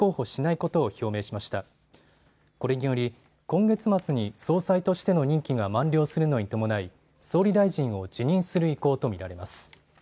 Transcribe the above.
これにより今月末に総裁としての任期が満了するのに伴い総理大臣を辞任する意向と見られます。